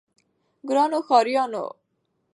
ګرانو ښاريانو!